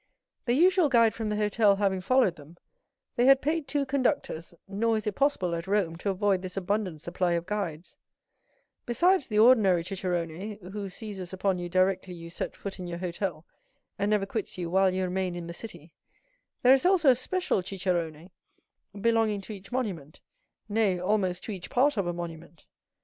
The usual guide from the hotel having followed them, they had paid two conductors, nor is it possible, at Rome, to avoid this abundant supply of guides; besides the ordinary cicerone, who seizes upon you directly you set foot in your hotel, and never quits you while you remain in the city, there is also a special cicerone belonging to each monument—nay, almost to each part of a monument.